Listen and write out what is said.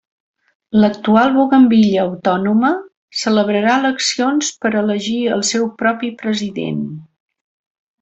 L'actual Bougainville autònoma celebrarà eleccions per elegir el seu propi president.